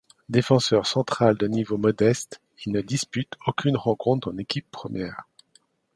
Défenseur central de niveau modeste, il ne dispute aucune rencontre en équipe première.